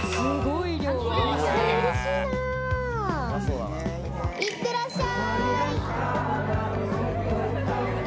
いってらっしゃい！